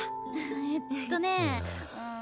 えっとねうーん。